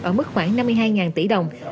ở mức khoảng năm mươi hai tỷ đồng